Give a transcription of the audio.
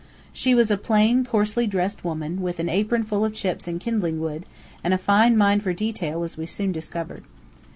She was a plain, coarsely dressed woman, with an apron full of chips and kindling wood, and a fine mind for detail, as we soon discovered.